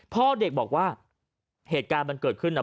พ่อเด็กบอกว่าเหตุการณ์มันเกิดขึ้น